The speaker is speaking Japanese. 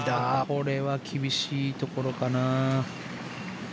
これは厳しいところかな。